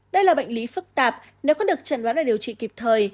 đây là bệnh lý phức tạp nếu không được chẩn đoán và điều trị kịp thời